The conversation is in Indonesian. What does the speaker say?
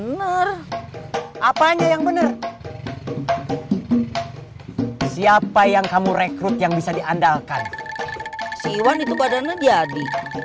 bener bener apanya yang bener siapa yang kamu rekrut yang bisa diandalkan siwan itu badannya jadi